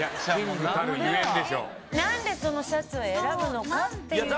なんでそのシャツを選ぶのかっていうところが。